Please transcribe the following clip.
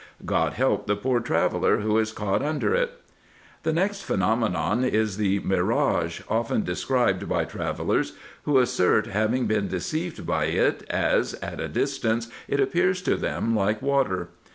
God help the poor traveller who is caught under it ! The next phenomenon is the mirage, often described by tra vellers, who assert having been deceived by it, as at a distance it appears to them like water.